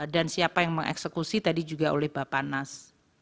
dan siapa yang mengeksekusi tadi juga oleh bapak nas